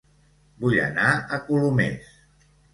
Vull anar a Colomers